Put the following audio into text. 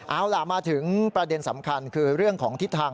เอาล่ะมาถึงประเด็นสำคัญคือเรื่องของทิศทาง